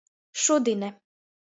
Šudine.